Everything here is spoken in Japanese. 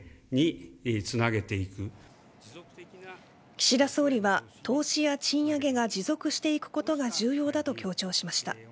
岸田総理は投資や賃上げが持続していくことが重要だと強調しました。